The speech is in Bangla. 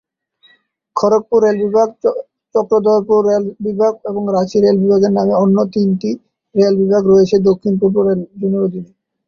খড়গপুর রেল বিভাগ, চক্রধরপুর রেলওয়ে বিভাগ এবং রাঁচি রেল বিভাগের নামে অন্য তিনটি রেল বিভাগ রয়েছে দক্ষিণ পূর্ব রেল জোনের অধীনে।